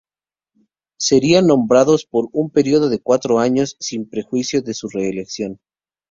Serán nombrados por un periodo de cuatro años, sin perjuicio de su reelección.